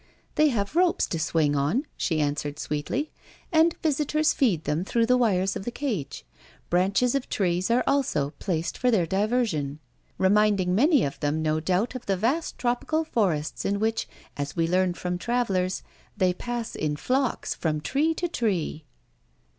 "They have ropes to swing on," she answered sweetly; "and visitors feed them through the wires of the cage. Branches of trees are also placed for their diversion; reminding many of them no doubt of the vast tropical forests in which, as we learn from travellers, they pass in flocks from tree to tree."